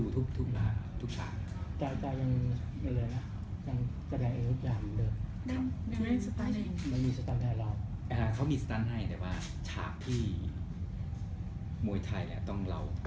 แต่ก็มีสตันท์เล่นแหละบ้าง